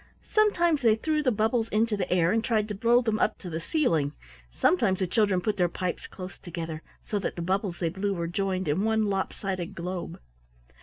Sometimes they threw the bubbles into the air and tried to blow them up to the ceiling; sometimes the children put their pipes close together, so that the bubbles they blew were joined in one lopsided globe.